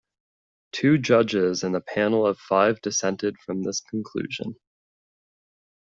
Two judges in the panel of five dissented from this conclusion.